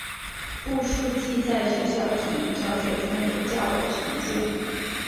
步数计在学校体育教学中也较为常见。